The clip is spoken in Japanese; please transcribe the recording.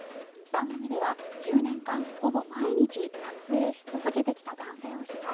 番組では１０年間ほぼ毎日撮影し続けてきた男性を取材。